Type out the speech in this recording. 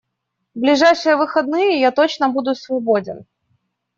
В ближайшие выходные я точно буду свободен.